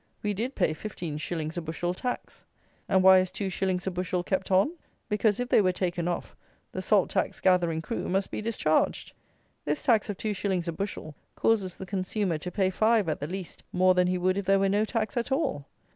We did pay fifteen shillings a bushel, tax. And why is two shillings a bushel kept on? Because, if they were taken off, the salt tax gathering crew must be discharged! This tax of two shillings a bushel, causes the consumer to pay five, at the least, more than he would if there were no tax at all!